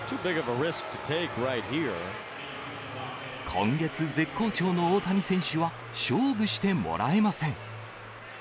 今月、絶好調の大谷選手は、勝負してもらえません。